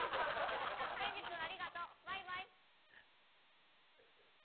ケンジ君ありがとう。バイバイ。